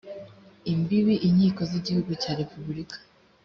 imbibi inkiko z igihugu cya repubulika